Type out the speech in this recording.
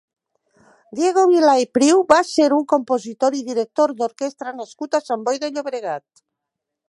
Diego Vilà i Priu va ser un compositor i director d'orquestra nascut a Sant Boi de Llobregat.